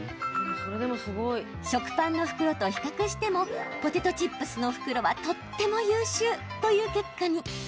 食パンの袋と比較してもポテトチップスの袋はとっても優秀という結果に。